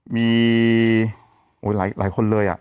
มีโอ้ยหลายคนเลยอ่ะ